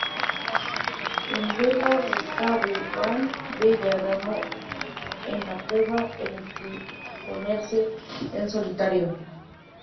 El belga Gustave Van Belle ganó en la prueba al imponerse en solitario.